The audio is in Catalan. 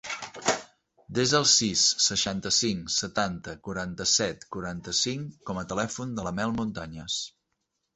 Desa el sis, seixanta-cinc, setanta, quaranta-set, quaranta-cinc com a telèfon de la Mel Montañes.